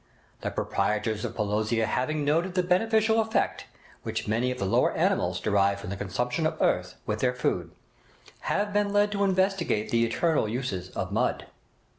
The proprietors of Pelosia having noted the beneficial effect which many of the lower animals derive from the consumption of earth with their food, have been led to investigate the internal uses of mud.